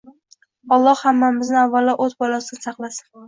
Olloh hammamizni avvalo oʻt balosidan saqlasin